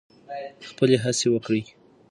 خپلې هڅې وکړئ.